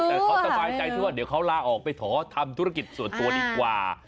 แต่เขาสบายใจที่ว่าเดี๋ยวเขาลาออกไปขอทำธุรกิจส่วนตัวดีกว่า